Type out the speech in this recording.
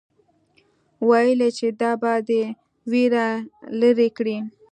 ويل يې چې دا به دې وېره لري کړي.